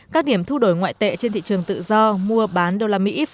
các điểm thu đổi ngoại tệ trên thị trường tự do mua bán đô la mỹ